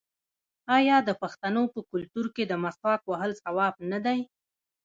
آیا د پښتنو په کلتور کې د مسواک وهل ثواب نه دی؟